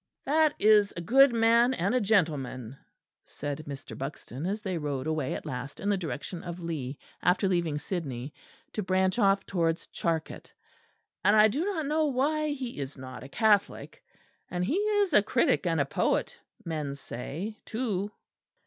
"That is a good man and a gentleman," said Mr. Buxton, as they rode away at last in the direction of Leigh after leaving Sidney to branch off towards Charket, "and I do not know why he is not a Catholic. And he is a critic and a poet, men say, too."